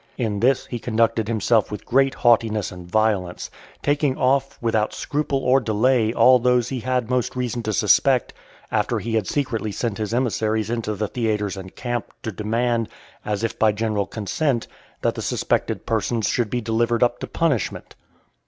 In this he conducted himself with great haughtiness and violence, taking off without scruple or delay all those he had most reason to suspect, after he had secretly sent his emissaries into the theatres and camp, to demand, as if by general consent, that the suspected persons should be delivered up to punishment.